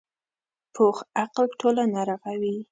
پوخ عقل ټولنه رغوي